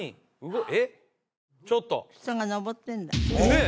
えっ？